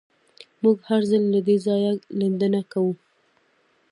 موږ هر ځل له دې ځایه لیدنه کوو